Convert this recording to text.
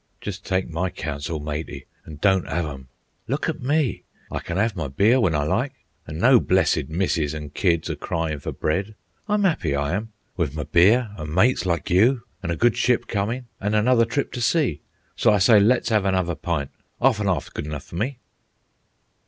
Jest take my counsel, matey, an' don't 'ave 'em. Look at me! I can 'ave my beer w'en I like, an' no blessed missus an' kids a crying for bread. I'm 'appy, I am, with my beer an' mates like you, an' a good ship comin', an' another trip to sea. So I say, let's 'ave another pint. Arf an' arf's good enough for me."